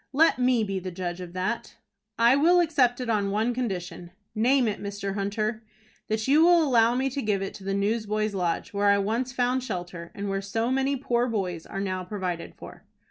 "Let me be the judge of that." "I will accept it on one condition." "Name it, Mr. Hunter." "That you will allow me to give it to the Newsboys' Lodge, where I once found shelter, and where so many poor boys are now provided for."